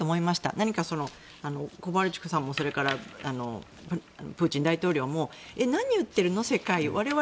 何かコバルチュクさんもプーチン大統領も何言ってるの我々